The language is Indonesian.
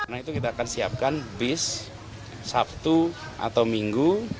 nah itu kita akan siapkan bis sabtu atau minggu